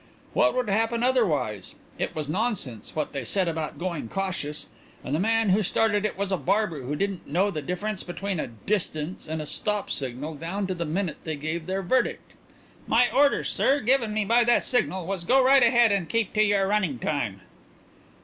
What would happen otherwise! It was nonsense what they said about going cautious; and the man who started it was a barber who didn't know the difference between a 'distance' and a 'stop' signal down to the minute they gave their verdict. My orders, sir, given me by that signal, was 'Go right ahead and keep to your running time!'"